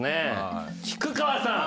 菊川さん！